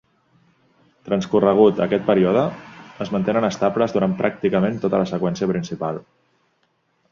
Transcorregut aquest període, es mantenen estables durant pràcticament tota la seqüència principal.